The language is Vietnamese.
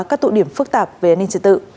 các tụ điểm phức tạp về an ninh trật tự